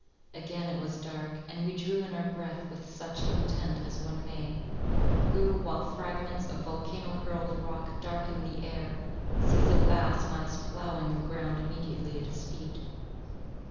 Again it was dark, and we drew in our breath with such content as one may, who, while fragments of volcano hurled rock darken the air, sees a vast mass ploughing the ground immediately at his feet.